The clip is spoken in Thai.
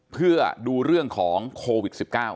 เพื่อดูเรื่องของโควิด๑๙